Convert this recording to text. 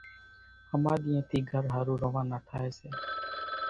ۿماڌِيئين ٿي گھر ۿارُو روانا ٿائيَ سي